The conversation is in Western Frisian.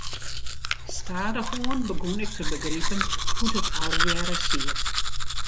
Stadichoan begûn ik te begripen hoe't it allegearre siet.